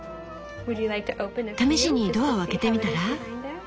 試しにドアを開けてみたら？